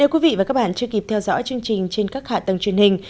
quý vị và các bạn chưa kịp theo dõi chương trình trên các hạ tầng truyền hình